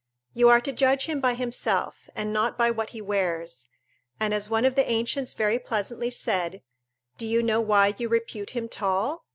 You are to judge him by himself and not by what he wears; and, as one of the ancients very pleasantly said: "Do you know why you repute him tall?